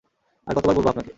আর কতবার বলব আপনাকে?